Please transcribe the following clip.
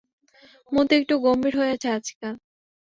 মতি একটু গম্ভীর হইয়াছে আজকাল।